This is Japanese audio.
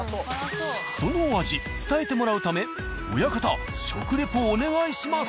そのお味伝えてもらうため親方食レポお願いします。